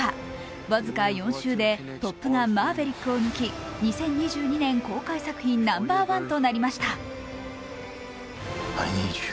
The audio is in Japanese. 僅か４週で「トップガンマーヴェリック」を抜き２０２２年公開作品ナンバーワンとなりました。